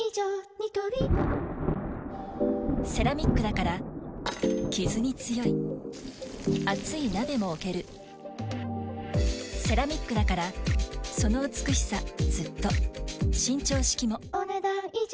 ニトリセラミックだからキズに強い熱い鍋も置けるセラミックだからその美しさずっと伸長式もお、ねだん以上。